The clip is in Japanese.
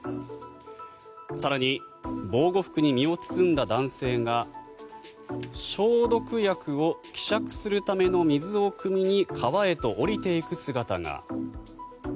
更に、防護服に身を包んだ男性が消毒薬を希釈するための水をくみに川へと下りていく姿が。